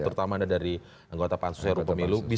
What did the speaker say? terutama anda dari anggota pansur pemilu